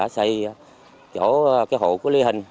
xây chỗ hộ của lý hình